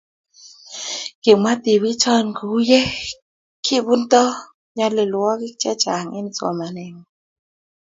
Kimwa tibiik choe ko uu ye kibuntoe nyalilwokik che chang eng somanee ngwang